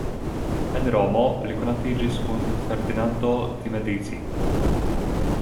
En Romo li konatiĝis kun Ferdinando di Medici.